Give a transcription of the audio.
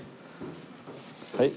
はい。